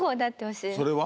それは？